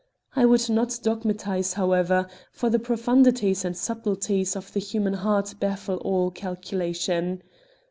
I would not dogmatise, however; for the profundities and subtleties of the human heart baffle all calculation.